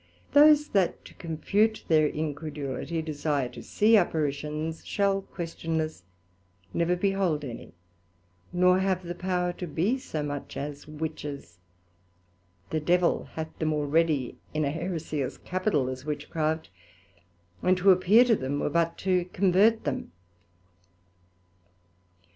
Those that to confute their incredulity desire to see apparitions, shall questionless never behold any, nor have the power to be so much as Witches; the Devil hath them already in a heresie as capital as Witchcraft; and to appear to them, were but to convert them.